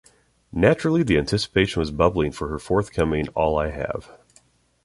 Naturally the anticipation was bubbling for her forthcoming "All I Have".